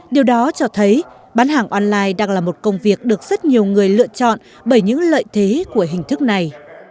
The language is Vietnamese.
điều đó cho thấy bán hàng online đang là một công việc được rất nhiều người lựa chọn bởi những lợi thế của hình thức này